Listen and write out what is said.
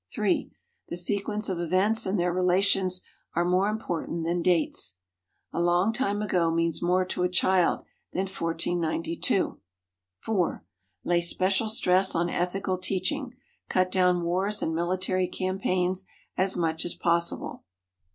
3. The sequence of events and their relations are more important than dates. "A long time ago" means more to a child than 1492. 4. Lay special stress on ethical teaching; cut down wars and military campaigns as much as possible.